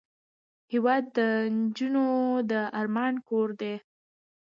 هېواد د نجو د ارمان کور دی.